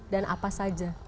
dan apa saja